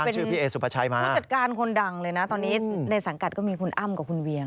เป็นผู้จัดการคนดังเลยนะตอนนี้ในสังกัดก็มีคุณอ้ำกับคุณเวียง